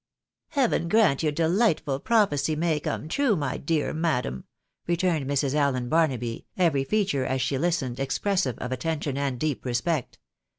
" Heaven grant your delightful prophecy may come true, my dear madam," returned Mrs. Allen Barnaby, every feature, as she listened, expressive of attention and deep respect.